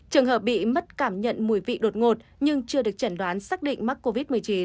trường hợp bị mất cảm nhận mùi vị đột ngột nhưng chưa được chẩn đoán xác định mắc covid một mươi chín